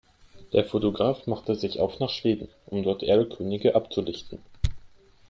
Der Fotograf machte sich auf nach Schweden, um dort Erlkönige abzulichten.